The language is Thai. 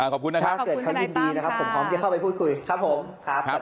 ขอบคุณนะครับถ้าเกิดเขายินดีนะครับผมพร้อมจะเข้าไปพูดคุยครับผมครับ